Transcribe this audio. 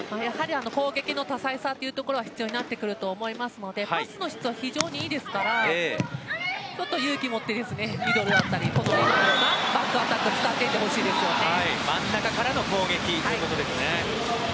攻撃の多彩さが必要になってくると思いますのでパスの質は非常にいいですからちょっと勇気を持ってミドルだったりバックアタックを真ん中からの攻撃ということですね。